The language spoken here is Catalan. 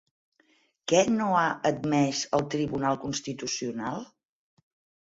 Què no ha admès el Tribunal Constitucional?